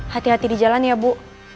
hati hati di jalan ya bu